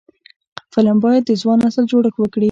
فلم باید د ځوان نسل جوړښت وکړي